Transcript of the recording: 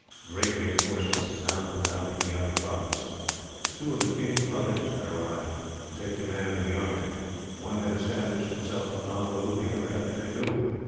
Great reinforcements had now come down from the upper provinces. Two of the king's brothers had arrived, to take command of the army; one had established himself at Donabew, the other at Pegu.